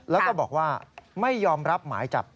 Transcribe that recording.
แล้วก็บอกว่าไม่ยอมรับหมายจับ